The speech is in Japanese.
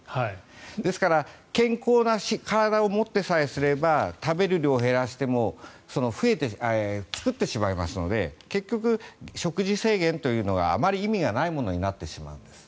ですから健康な体を持ってさえすれば食べる量を減らしても作ってしまいますので結局、食事制限というのがあまり意味がないものになってしまうんです。